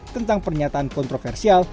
tentang pernyataan kontroversial